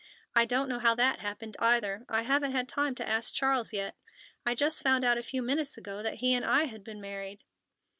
I don't know how that happened either. I haven't had time to ask Charles yet. I just found out a few minutes ago that he and I had been married."